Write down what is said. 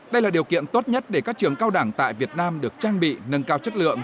đây là điều kiện tốt nhất để các trường cao đẳng tại việt nam được trang bị nâng cao chất lượng